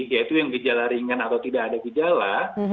yaitu yang gejala ringan atau tidak ada gejala